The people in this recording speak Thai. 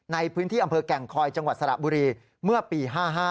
ในพื้นที่อำเภอแก่งคอยจังหวัดสระบุรีเมื่อปี๕๕